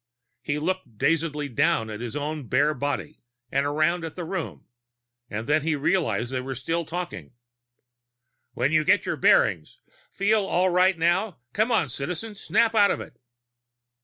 He looked dazedly down at his own bare body, and around at the room, and then he realized they were still talking: " when you get your bearings. Feel all right now? Come on, Citizen, snap out of it!"